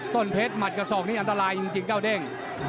ต้นเพชรหัดกับศอกนี่อันตรายจริงเก้าเด้ง